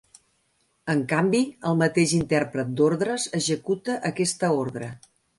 En canvi, el mateix intèrpret d'ordres, executa aquesta ordre.